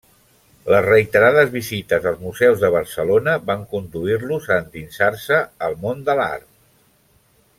Les reiterades visites als museus de Barcelona van conduir-los a endinsar-se al món de l’art.